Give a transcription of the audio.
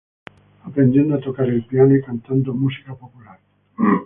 Aprendiendo a tocar el piano, y cantando música popular.